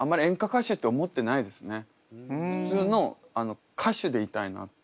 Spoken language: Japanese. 普通の歌手でいたいなって。